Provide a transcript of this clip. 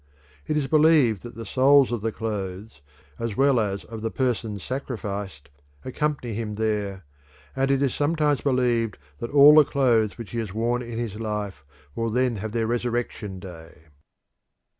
It is believed that the souls of the clothes, as well as of the persons sacrificed, accompany him there, and it is sometimes believed that all the clothes which he has worn in his life will then have their resurrection day.